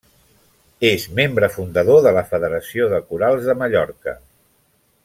És membre fundador de la Federació de Corals de Mallorca.